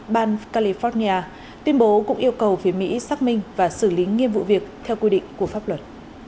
ban california tuyên bố cũng yêu cầu phía mỹ xác minh và xử lý nghiêm vụ việc theo quy định của pháp luật